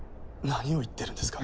何を言ってるんですか。